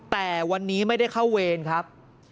แต่วันนี้ไม่ได้เข้าเวรครับ